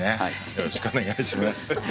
よろしくお願いします。